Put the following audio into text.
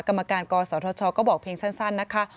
กรรมการกศธชก็บอกเพียงสั้นนะคะ